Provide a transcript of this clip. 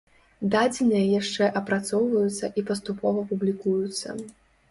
Дадзеныя яшчэ апрацоўваюцца і паступова публікуюцца.